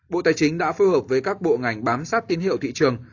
bộ tài chính đã phối hợp với các bộ ngành bám sát tin hiệu thị trường